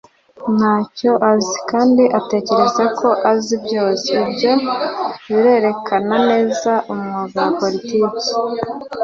nta cyo azi; kandi atekereza ko azi byose. ibyo birerekana neza umwuga wa politiki